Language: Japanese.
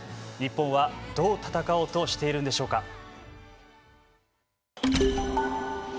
日本は、どう戦おうとしているんでしょうか。